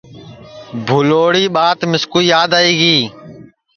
بھولوری ٻات مِسکُو یاد آئی گی